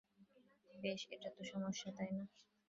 বেশ, এটাই তো সমস্যা, তাই না?